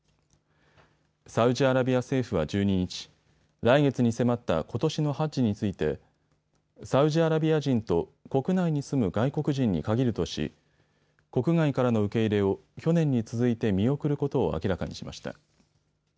サウジアラビア政府は１２日、来月に迫ったことしのハッジについてサウジアラビア人と国内に住む外国人に限るとし、国外からの受け入れを去年に続いて見送ることを明らかにしました。